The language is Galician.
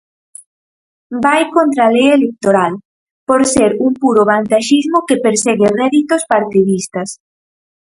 Vai contra a lei electoral, por ser un puro vantaxismo que persegue réditos partidistas.